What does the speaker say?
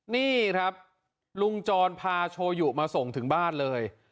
นี่ครับลุงจรพาโชยุมาส่งถึงบ้านเลย